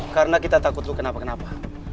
karena kita takut lo kenapa kenapa